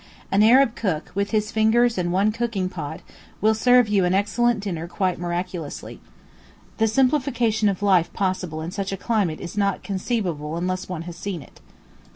An Arab cook, with his fingers and one cooking pot, will serve you an excellent dinner quite miraculously. The simplification of life possible in such a climate is not conceivable unless one has seen it.